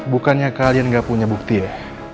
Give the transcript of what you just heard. bukannya kalian gak punya bukti ya